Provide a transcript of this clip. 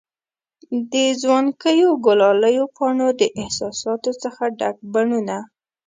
د ځوانکیو، ګلالیو پانو د احساساتو څخه ډک بڼوڼه